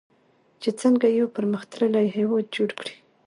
چې څنګه یو پرمختللی هیواد جوړ کړي.